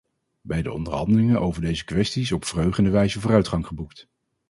Bij de onderhandelingen over deze kwestie is op verheugende wijze vooruitgang geboekt.